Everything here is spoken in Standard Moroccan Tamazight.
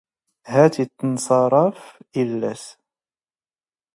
ⵀⴰⵜ ⵉ ⵜⵏⵚⴰⵕⵕⴰⴼ ⵉⵏⵏⴰⵙ.